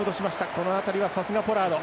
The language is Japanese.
この辺りは、さすが、ポラード。